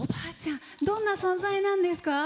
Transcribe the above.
どんな存在なんですか？